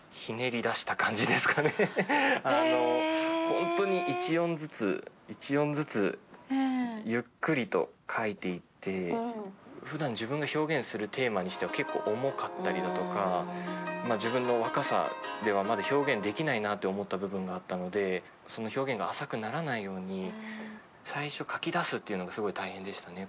ほんとに１音ずつ１音ずつゆっくりと書いていってふだん自分が表現するテーマにしては結構重かったりだとか自分の若さではまだ表現できないなって思った部分があったのでその表現が浅くならないように最初書き出すっていうのがすごい大変でしたね。